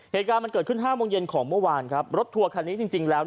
เหตุการณ์มันเกิดขึ้นห้าโมงเย็นของเมื่อวานครับรถทัวร์คันนี้จริงจริงแล้ว